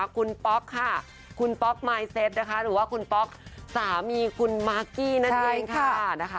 คุณป๊อกค่ะคุณป๊อกมายเซ็ตนะคะหรือว่าคุณป๊อกสามีคุณมากกี้นั่นเองค่ะนะคะ